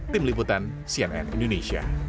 tim liputan cnn indonesia